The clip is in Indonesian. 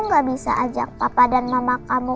gak bisa ajak papa dan mama kamu